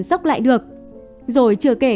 sốc lại được rồi chừa kể